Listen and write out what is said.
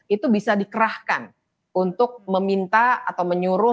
itu bisa dikerahkan untuk meminta atau menyuruh